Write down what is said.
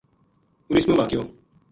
اُنیسمو واقعو